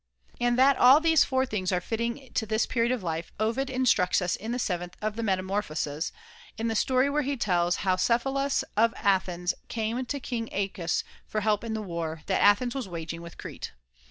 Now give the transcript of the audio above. And that all these four things are fitting to this period of life, Ovid instructs us in the seventh of the Metamorphoses, in the story where he tells how Cephalus of Athens came to King ^acus for help in the war [^160] that Athens was waging with Crete.